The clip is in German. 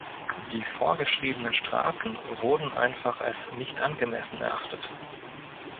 Die vorgeschriebenen Strafen wurden einfach als nicht angemessen erachtet.